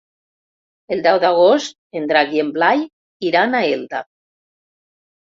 El deu d'agost en Drac i en Blai iran a Elda.